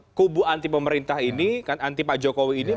jadi kubu anti pemerintah ini anti pak jokowi ini